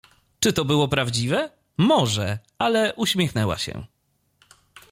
Czy to było prawdziwe? Mo że, ale uśmiechnęła się.